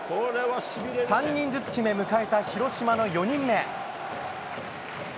３人ずつ決め、迎えた広島の４人目。